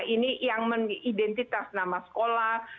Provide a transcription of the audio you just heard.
ini yang mengidentitas nama sekolah